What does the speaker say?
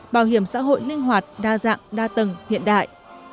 bảo hiểm xã hội linh hoạt đa dạng đa tầng hiện đại